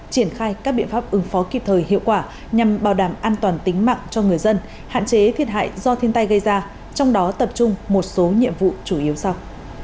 triển khai các biện pháp ứng phó kịp thời hiệu quả nhằm bảo đảm an toàn tính mạng cho người dân hạn chế thiệt hại do thiên tai gây ra trong đó tập trung một số nhiệm vụ chủ yếu sau